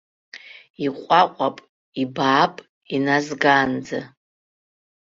Иҟәаҟәап, ибаап, иназгаанӡа.